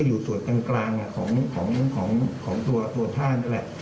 อยู่ส่วนกลางของตัวท่านนี่แหละ